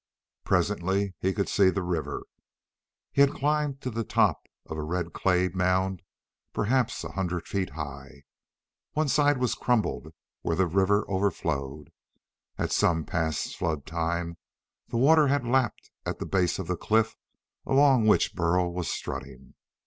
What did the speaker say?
Presently he could see the river. He had climbed to the top of a red clay mound perhaps a hundred feet high. One side was crumbled where the river overflowed. At some past flood time the water had lapped at the base of the cliff along which Burl was strutting.